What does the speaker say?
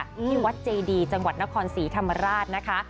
ที่วัดเจดีจังหวัดนครศรีธรรมราชนะคะ